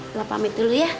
lela pamit dulu ya